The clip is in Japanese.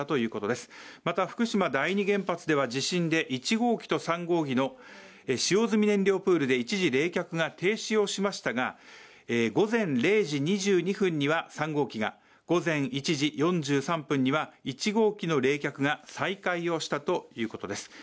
また福島第２原発では地震で、１号機と３号機の使用済燃料プールで１次冷却が停止をしましたが午前零時２２分には３号機が午前１時４３分には１号機の冷却が再開をしたということです。